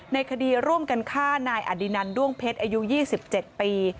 ในคดีร่วมกันฆ่านายอดินันด้วงเพชรอายุ๒๗ปี